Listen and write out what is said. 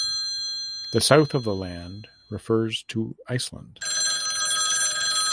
The south of the land refers to Iceland.